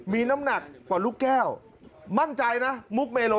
มีน้ำหนักกว่าลูกแก้วมั่นใจนะมุกเมโล